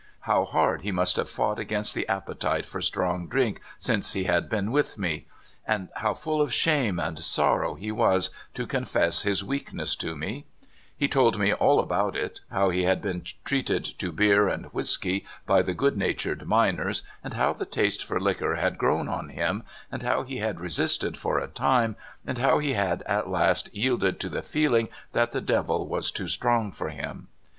How hard he must have fouirht agamst the appetite for strong drink since he had been with me I And how full of shame and sor row he was to confess his weakness to me ! He 20 CALIFORNIA SKETCHES. told me all about it: how he had been treated to beer and whisky by the good natured miners, and how the taste for liquor had grown on him, and how he had resisted for a time, and how he had at last yielded to the feeling that the devil was too strong for him.